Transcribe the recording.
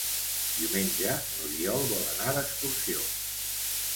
Diumenge n'Oriol vol anar d'excursió.